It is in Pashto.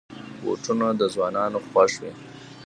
بوټونه د ځوانانو خوښ وي.